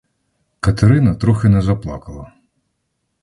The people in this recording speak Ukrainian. Катерина трохи не заплакала.